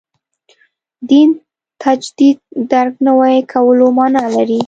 دین تجدید درک نوي کولو معنا لري.